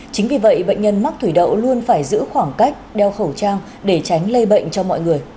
chính vì vậy bệnh nhân mắc thủy đậu luôn phải giữ khoảng cách đeo khẩu trang để tránh lây bệnh cho mọi người